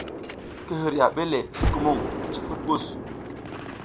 Ki hiriya ɓe le sukumuƞ, cufuɗ mɓus.